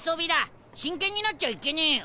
真剣になっちゃいけねえよ。